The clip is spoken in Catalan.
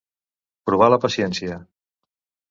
Provar la paciència.